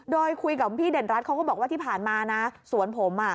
โดยคุยกับพี่เด่นรัฐเขาก็บอกว่าที่ผ่านมานะสวนผมอ่ะ